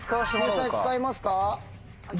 救済使いますか？